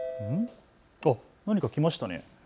何か来ましたね。